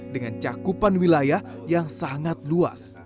dengan cakupan wilayah yang sangat luas